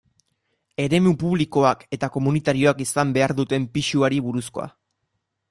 Eremu publikoak eta komunitarioak izan behar duten pisuari buruzkoa.